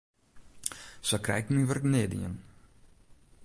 Sa krij ik myn wurk nea dien.